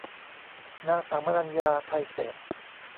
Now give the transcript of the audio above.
นางสาวมนัญญา ไทยเศรษฐ์